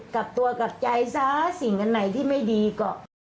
กลับตัวกลับใจซะสิ่งอันไหนที่ไม่ดีก็